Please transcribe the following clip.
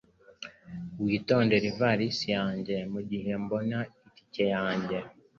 Witondere ivarisi yanjye mugihe mbona itike yanjye.